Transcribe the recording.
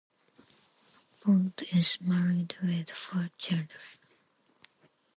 Aponte is married with four children.